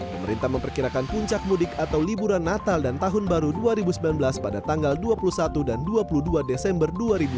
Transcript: pemerintah memperkirakan puncak mudik atau liburan natal dan tahun baru dua ribu sembilan belas pada tanggal dua puluh satu dan dua puluh dua desember dua ribu dua puluh